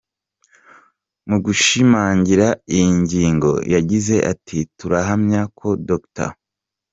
Mu gushimangira iyi ngingo yagize ati “Turahamya ko Dr.